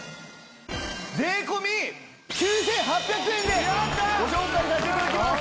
税込９８００円でご紹介させて頂きます！